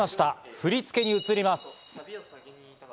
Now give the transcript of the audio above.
振り付けに移ります。